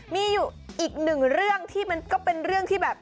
มีอยู่อีกหนึ่งเรื่องที่มันก็เป็นเรื่องที่แบบ